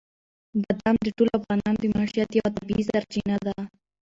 بادام د ټولو افغانانو د معیشت یوه طبیعي سرچینه ده.